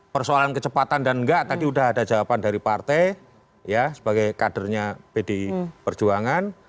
persoalan kecepatan dan enggak tadi udah ada jawaban dari partai sebagai kadernya pdi perjuangan